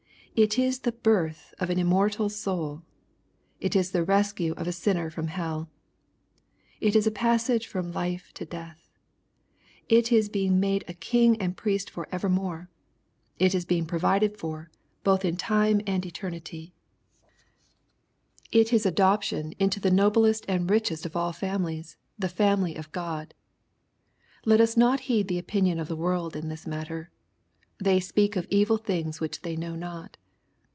\ It is the birth of an immortal soul ! It is the rescue of a sinner from heU 1 It is a passage from life to death 1 It is being made a king and priest for ever more ! It is being provided for, both in time acd eternityl LUKE, CHAP. V. 149 It is adoption into the noblest and richest of all families^ the family of God I Let us not heed the opinion of the world in this matter. They speak evil of things which they know not.